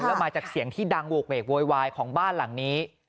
แล้วมาจากเสียงที่ดังโหกเวกโวยวายของบ้านหลังนี้